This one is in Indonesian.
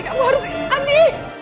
kamu harus andi